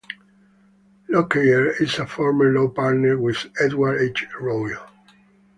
Lockyer is a former law partner with Edward H. Royle.